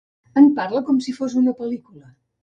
En parla com si fos una pel·lícula.